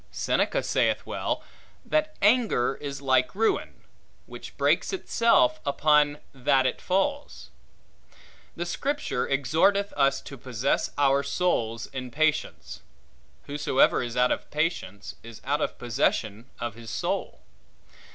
Seneca saith well, That anger is like ruin, which breaks itself upon that it falls. The Scripture exhorteth us to possess our souls in patience. Whosoever is out of patience, is out of possession of his soul.